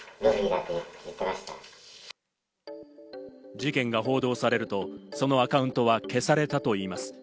事件が報道されると、そのアカウントは消されたといいます。